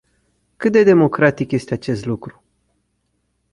Cât de democratic este acest lucru?